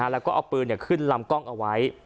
แล้วก็เอาปืนขึ้นลำกล้องเอาไว้